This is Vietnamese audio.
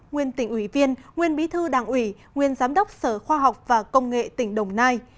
nguyên tỉnh ủy viên nguyên bí thư đảng ủy nguyên giám đốc sở khoa học và công nghệ tỉnh đồng nai